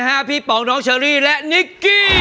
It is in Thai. อันนี้คือพี่ปองน้องเชอรี่และนิกกี้